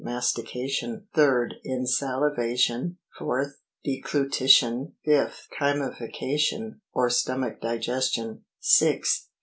Mastication. 3rd. Insalivation. 4th. Deglutition. 5th. Chymification, or stomach digestion. 6th.